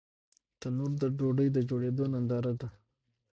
تنور د ډوډۍ جوړېدو ننداره ده